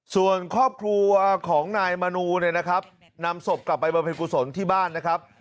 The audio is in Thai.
ส่วนครอบครัวของนายมนูเนี่ยนะครับนำศพกลับไปบรรพิกุศลที่บ้านนะครับ